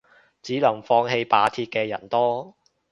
只係放棄罷鐵嘅人都多